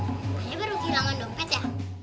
pokoknya baru kehilangan dompet ya